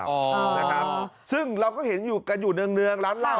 นะครับซึ่งเราก็เห็นอยู่กันอยู่เนื่องร้านเหล้า